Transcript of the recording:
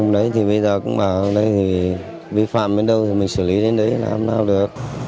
đấy thì bây giờ cũng bảo ở đây thì vi phạm đến đâu thì mình xử lý đến đấy làm sao được